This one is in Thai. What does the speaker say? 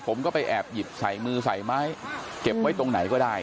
ผมก็ไปแอบหยิบใส่มือใส่ไม้เก็บไว้ตรงไหนก็ได้